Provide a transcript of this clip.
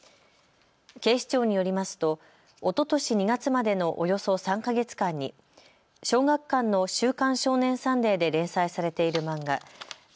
警視庁によりますとおととし２月までのおよそ３か月間に小学館の週刊少年サンデーで連載されている漫画、ＢＥＢＬＵＥＳ！